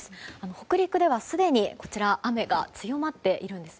北陸ではすでに雨が強まっているんです。